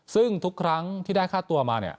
ซึ่งทุกครั้งที่ได้ค่าตัวมาเนี่ย